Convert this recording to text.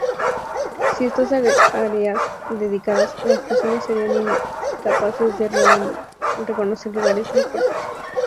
Sin estas áreas dedicadas, las personas serían incapaces de reconocer lugares y cuerpos.